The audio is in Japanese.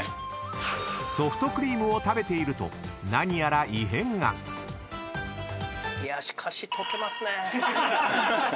［ソフトクリームを食べていると何やら異変が］いやしかし。